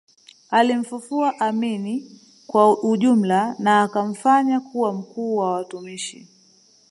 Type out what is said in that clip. Alimfufua Amin kwa ujumla na akamfanya kuwa mkuu wa watumishi